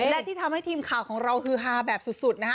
และที่ทำให้ทีมข่าวของเราฮือฮาแบบสุดนะฮะ